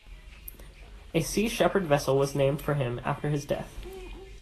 A Sea Shepherd vessel was named for him after his death.